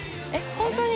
◆本当に？